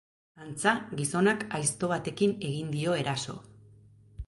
Antza, gizonak aizto batekin egin dio eraso.